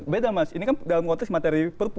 beda mas ini kan dalam konteks materi perpu